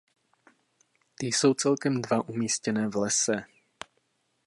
Ty jsou celkem dva umístěné v lese.